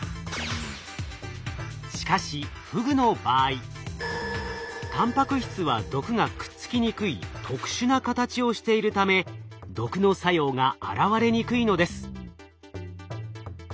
しかしフグの場合たんぱく質は毒がくっつきにくい特殊な形をしているため毒の作用が現れにくいのです。